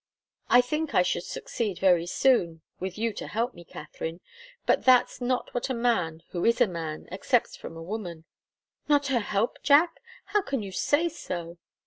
"I think I should succeed very soon, with you to help me, Katharine. But that's not what a man who is a man accepts from a woman." "Her help not her help, Jack? How can you say so!"